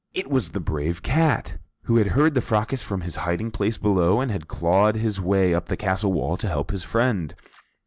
It was the brave cat, who had heard the fracas from his hiding place below and had clawed his way up the castle wall to help his friend.